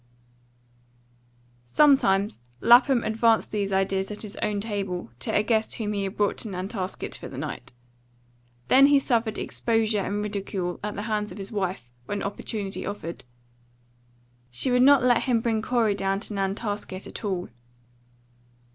Sometimes Lapham advanced these ideas at his own table, to a guest whom he had brought to Nantasket for the night. Then he suffered exposure and ridicule at the hands of his wife, when opportunity offered. She would not let him bring Corey down to Nantasket at all.